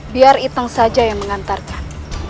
biar iteng saja yang mengantarkan